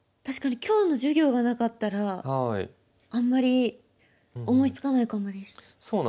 確かに今日の授業がなかったらあんまり思いつかないかもです。